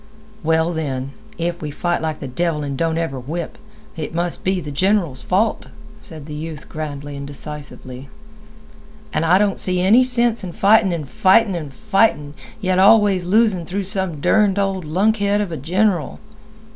"Well, then, if we fight like the devil an' don't ever whip, it must be the general's fault," said the youth grandly and decisively. "And I don't see any sense in fighting and fighting and fighting, yet always losing through some derned old lunkhead of a general."